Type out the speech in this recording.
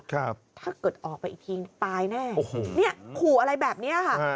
ถ้าเกิดออกไปอีกทีตายแน่โอ้โหเนี่ยขู่อะไรแบบนี้ค่ะ